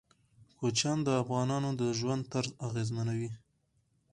کوچیان د افغانانو د ژوند طرز اغېزمنوي.